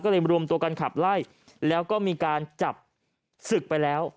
ก็เลยรวมตัวกันขับไล่แล้วก็มีการจับศึกไปแล้ว